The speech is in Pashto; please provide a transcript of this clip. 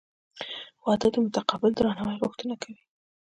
• واده د متقابل درناوي غوښتنه کوي.